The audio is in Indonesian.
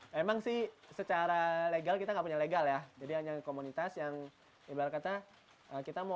memang sih secara legal kita nggak punya legal ya jadi hanya komunitas yang ibarat kata kita mau